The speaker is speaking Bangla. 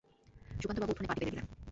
সুধাকান্তবাবু উঠোনে পাটি পেতে দিলেন।